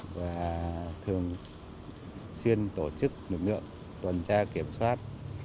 và thường xuyên tổ chức lực lượng tuần tra kiểm soát